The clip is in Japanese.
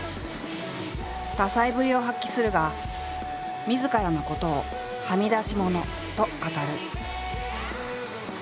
多才ぶりを発揮するがみずからのことを「はみ出し者」と語る。